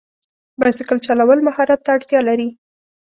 بایسکل چلول مهارت ته اړتیا لري.